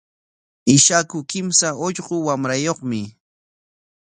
Ishaku kimsa ullqu wamrayuqmi.